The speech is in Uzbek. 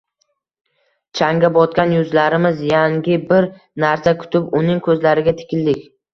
Changga botgan yuzlarimiz yangi bir narsa kutib, uning ko`zlariga tikildik